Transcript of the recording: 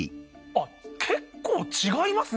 あっ結構違いますね